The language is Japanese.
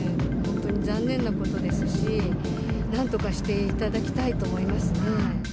本当に残念なことですし、なんとかしていただきたいと思いますね。